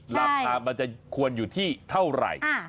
ราคามันจะควรอยู่ที่เท่าไหร่